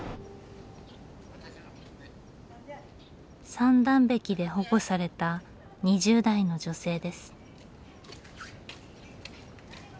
三段壁で保護された２０代の女性です。